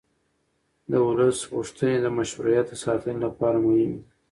د ولس غوښتنې د مشروعیت د ساتنې لپاره مهمې دي